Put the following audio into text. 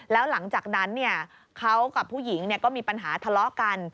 แล้วหลังจากนั้นเขากับผู้หญิงก็มีปัญหาทะเลาะกัน